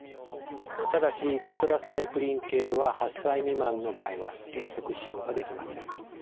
ただしテトラサイクリン系は８歳未満の場合は原則使用ができません。